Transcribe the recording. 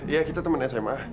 ya kita temen sma